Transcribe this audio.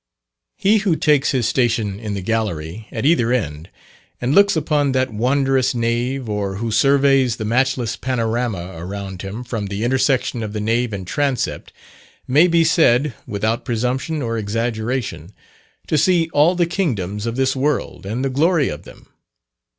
He who takes his station in the gallery, at either end, and looks upon that wondrous nave, or who surveys the matchless panorama around him from the intersection of the nave and transept, may be said, without presumption or exaggeration, to see all the kingdoms of this world and the glory of them.